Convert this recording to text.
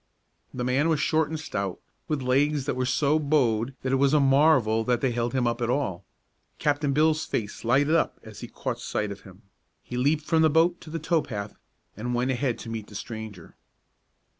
The man was short and stout, with legs that were so bowed that it was a marvel that they held him up at all. Captain Bill's face lighted up as he caught sight of him. He leaped from the boat to the tow path, and went ahead to meet the stranger.